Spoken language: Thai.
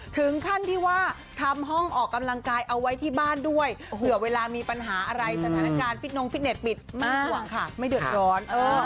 ถึงขั้นที่ว่าทำห้องออกกำลังกายเอาไว้ที่บ้านด้วยเผื่อเวลามีปัญหาอะไรสถานการณ์ฟิตนงฟิตเน็ตปิดไม่ห่วงค่ะไม่เดือดร้อน